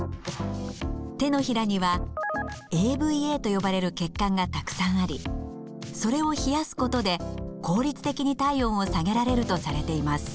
手のひらにはＡＶＡと呼ばれる血管がたくさんありそれを冷やすことで効率的に体温を下げられるとされています。